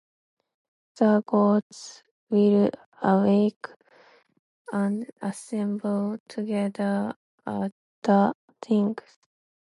The gods will awake and assemble together at the thing.